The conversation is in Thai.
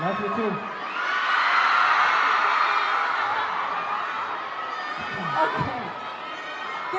ถ้าอยู่๒ต้องยิน๒